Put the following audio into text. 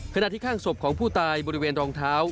ขณะที่ข้างศพของผู้ตายบริเวณรองเท้า